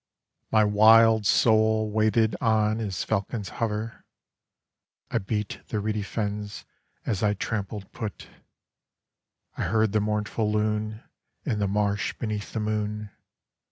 My wild soul waited on as falcons hover.I beat the reedy fens as I trampled put.I heard the mournful loonIn the marsh beneath the moon.